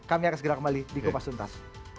kami akan segera kembali di kupas tuntas